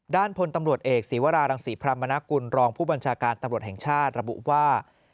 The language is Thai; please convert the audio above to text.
ด้านพลตำรวจเอกศีวรารังศรีพรรมนกุลรองผู้บัญชาการตำรวจแห่งชาติระบุว่า